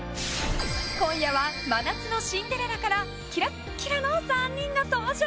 今夜は「真夏のシンデレラ」からキラキラの３人が登場！